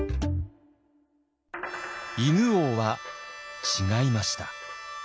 犬王は違いました。